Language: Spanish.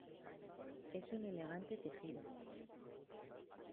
Es un elegante tejido.